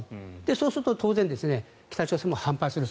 そうすると当然北朝鮮も反発する。